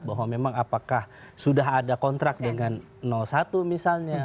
bahwa memang apakah sudah ada kontrak dengan satu misalnya